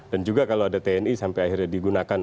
dan juga kalau ada tni sampai akhirnya digunakan